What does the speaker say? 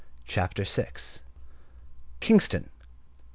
CHAPTER VI. Kingston.